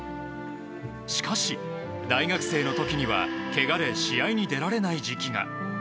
しかし大学生の時にはけがで試合に出られない時期が。